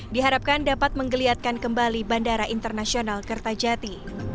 diharapkan dapat menggeliatkan kembali bandara internasional kertajati